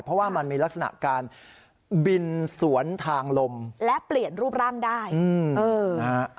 เพราะว่ามันมีลักษณะการบินสวนทางลมและเปลี่ยนรูปร่างได้อืมเออนะฮะ